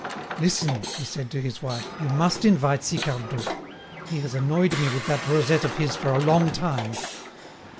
"Listen," he said to his wife; "you must invite Sicardot: he has annoyed me with that rosette of his for a long time!